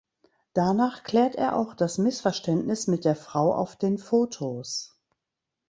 Danach klärt er auch das Missverständnis mit der Frau auf den Fotos.